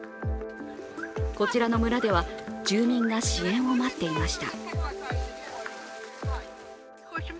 こちらの村では住民が支援を待っていました。